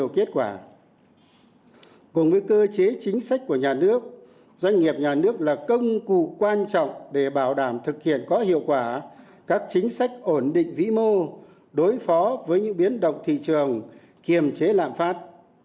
cùng với cơ chế chính sách của nhà nước doanh nghiệp nhà nước là công cụ quan trọng để bảo đảm thực hiện có hiệu quả các chính sách ổn định vĩ mô đối phó với những biến động thị trường kiềm chế lạm phát